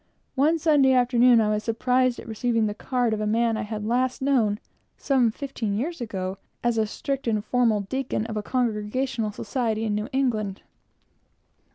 One Sunday afternoon I was surprised at receiving the card of a man whom I had last known, some fifteen years ago, as a strict and formal deacon of a Congregational Society in New England.